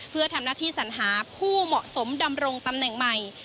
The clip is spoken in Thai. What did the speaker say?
เพื่อทำหน้าที่สัญหาผู้เหมาะสมดำรงตำแหน่งใหม่